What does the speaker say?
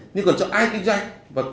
nhưng còn cho ai kinh doanh